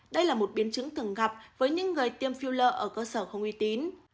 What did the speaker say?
đây là một biến chứng thường gặp với những người tiêm filler ở cơ sở không uy tín